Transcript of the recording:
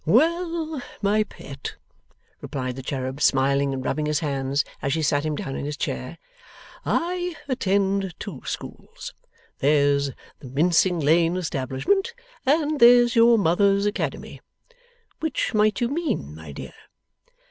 'Well, my pet,' replied the cherub, smiling and rubbing his hands as she sat him down in his chair, 'I attend two schools. There's the Mincing Lane establishment, and there's your mother's Academy. Which might you mean, my dear?